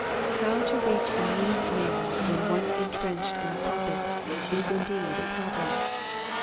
How to reach a mean man when once intrenched in a pulpit is indeed a problem.